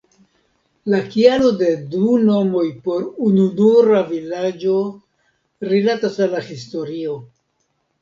La kialo de du nomoj por ununura vilaĝo rilatas al la historio.